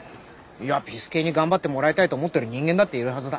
いやピス健に頑張ってもらいたいと思ってる人間だっているはずだ。